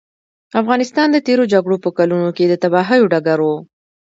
افغانستان د تېرو جګړو په کلونو کې د تباهیو ډګر و.